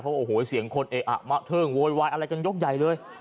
โอ้โหเสียงคนเอะอะมะเทิงโวยวายอะไรกันยกใหญ่เลย